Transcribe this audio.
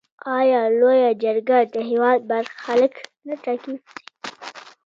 آیا لویه جرګه د هیواد برخلیک نه ټاکي؟